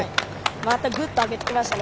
またグッと上げてきましたね。